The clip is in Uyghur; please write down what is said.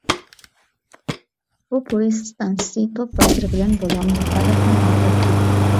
بۇ پويىز ئىستانسىسى توپ بازىرى بىلەن بولغان رىقابەتنىڭ ئاقىۋىتى.